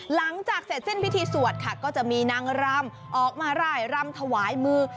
หลังจากเสร็จสิ้นพิธีสวดค่ะก็จะมีนางรำออกมาร่ายรำถวายมือ